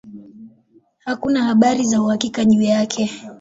Hakuna habari za uhakika juu yake.